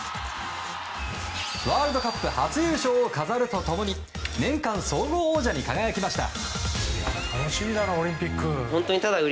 ワールドカップ初優勝を飾ると共に年間総合王者に輝きました！